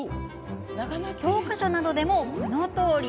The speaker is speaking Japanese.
教科書などでも、このとおり。